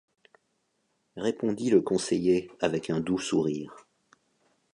répondit le conseiller avec un doux sourire.